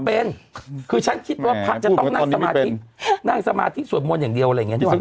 เป็นคือฉันคิดว่าพระจะต้องนั่งสมาธินั่งสมาธิสวดมนต์อย่างเดียวอะไรอย่างนี้